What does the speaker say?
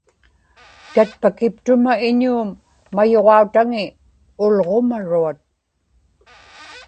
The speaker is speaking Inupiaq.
tatpakiptuma iñuum mayuġautaŋi ulġumaruat